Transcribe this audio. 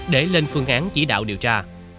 để lên phương án chỉ đạo điều tra